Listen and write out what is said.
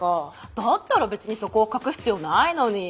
だったら別にそこを隠す必要ないのに。